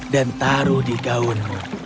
dan taruh di gaunmu